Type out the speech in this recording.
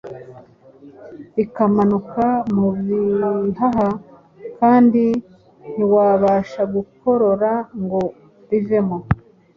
bikamanuka mu bihaha kandi ntiwabasha gukorora ngo bivemo.